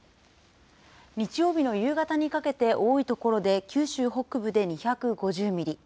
日曜日の夕方にかけて、多い所で九州北部で２５０ミリ。